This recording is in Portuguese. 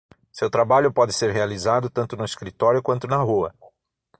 Seu trabalho pode ser realizado tanto no escritório quanto na rua.